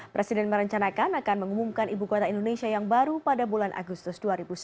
presiden merencanakan akan mengumumkan ibu kota indonesia yang baru pada bulan agustus dua ribu sembilan belas